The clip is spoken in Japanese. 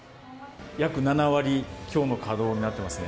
約７割強の稼働になってますね。